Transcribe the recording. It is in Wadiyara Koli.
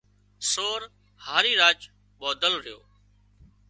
سور هارِي راچ ٻانڌل ريو